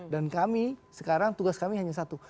dan kami sekarang tugas kami hanya satu